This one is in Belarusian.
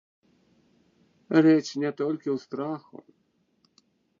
Рэч не толькі ў страху.